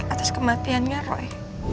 atas kematiannya roy